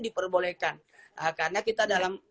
diperbolehkan karena kita dalam